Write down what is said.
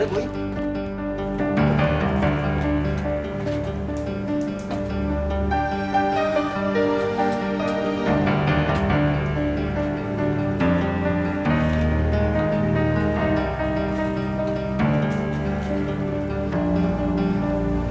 ini dok ini dong kuncinya